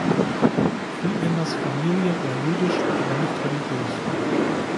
Friedländers Familie war jüdisch, aber nicht religiös.